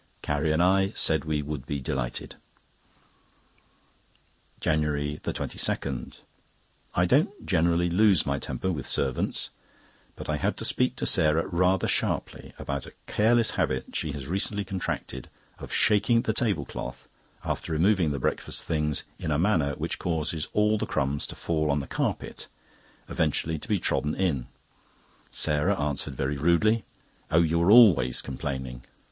Carrie and I said we should be delighted. JANUARY 22.—I don't generally lose my temper with servants; but I had to speak to Sarah rather sharply about a careless habit she has recently contracted of shaking the table cloth, after removing the breakfast things, in a manner which causes all the crumbs to fall on the carpet, eventually to be trodden in. Sarah answered very rudely: "Oh, you are always complaining."